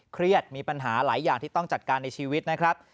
เครียดมีปัญหาหลายอย่างที่ต้องจัดการในชีวิตนะครับ